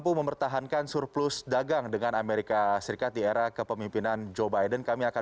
pertanyaan dari pertanyaan